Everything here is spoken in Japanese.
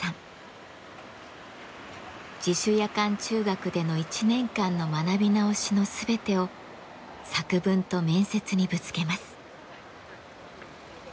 自主夜間中学での１年間の学び直しの全てを作文と面接にぶつけます。